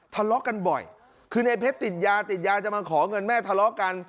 ทะเลาะกันบ่อยคือในเพชรติดยาติดยาจะมาขอเงินแม่ทะเลาะกัน